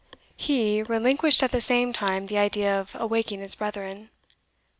He, relinquished at the same time the idea of awaking his brethren.